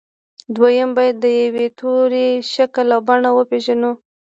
دويم بايد د يوه توري شکل او بڼه وپېژنو.